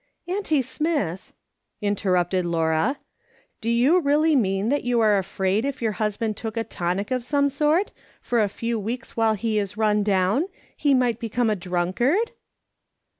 "Auntie Smith," interrupted Laura, " do you really mean that you are afraid if your husband took a tonic of some sort, for a few weeks while he is run down, he might become a drunkard